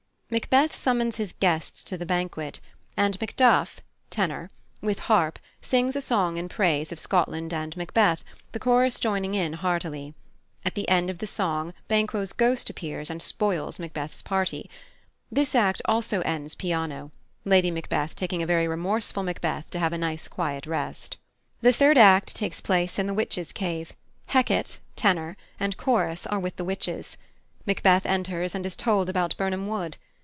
Macbeth summons his guests to the banquet, and Macduff (tenor), with harp, sings a song in praise of Scotland and Macbeth, the chorus joining in heartily. At the end of the song Banquo's ghost appears and spoils Macbeth's party. This act also ends piano, Lady Macbeth taking a very remorseful Macbeth to have a nice quiet rest. The third act takes place in the Witches' cave. Hecate (tenor) and chorus are with the Witches. Macbeth enters and is told about Birnam Wood.